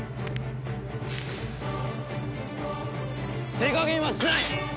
手加減はしない！